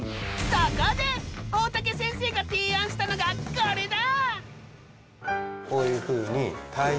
そこで大竹先生が提案したのがこれだ！